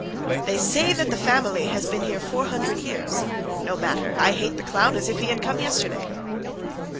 "They say that the family has been here four hundred years. No matter. I hate the clown as if he had come yesterday."